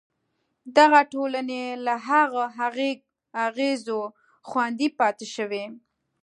دغه ټولنې له هغو اغېزو خوندي پاتې شوې.